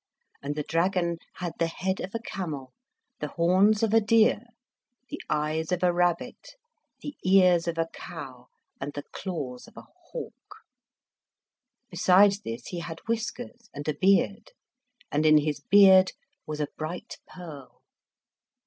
And the dragon had the head of a camel, the horns of a deer, the eyes of a rabbit, the ears of a cow and the claws of a hawk. Besides this, he had whiskers and a beard, and in his beard was a bright pearl.